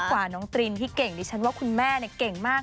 กว่าน้องตรินที่เก่งดิฉันว่าคุณแม่เก่งมาก